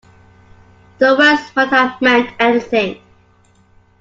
The words might have meant anything.